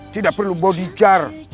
tidak perlu bodicar